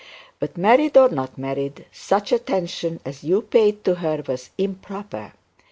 But married or not married, such attention as you paid her was improper.